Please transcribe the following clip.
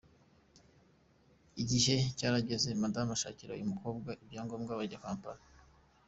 Igihe cyarageze, Madame ashakira uyu mukobwa ibyangombwa bajya i Kampala.